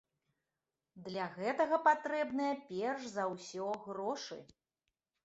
Для гэтага патрэбныя, перш за ўсё, грошы.